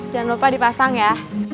jangan lupa dipasang ya